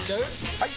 ・はい！